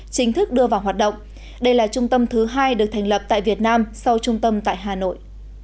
chính thức đưa vào hoạt động đây là trung tâm thứ hai được thành lập tại việt nam sau trung tâm tại hà nội